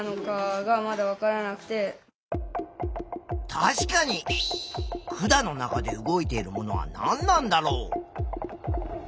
確かに管の中で動いているものは何なんだろう？